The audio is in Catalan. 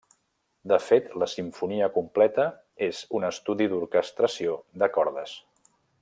De fet la simfonia completa és un estudi d'orquestració de cordes.